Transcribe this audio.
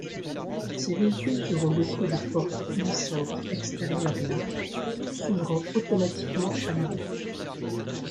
Ces véhicules seront dotés de portes coulissantes extérieures larges s’ouvrant automatiquement à l’arrêt.